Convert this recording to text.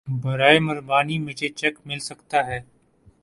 براہ مہربانی مجهے چیک مل سکتا ہے